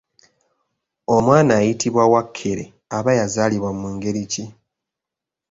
Omwana ayitibwa “Wakkere” aba yazaalibwa mu ngeri ki?